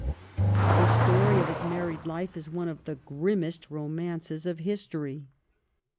The story of his married life is one of the grimmest romances of history.